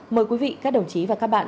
mời quý vị các đồng chí và các bạn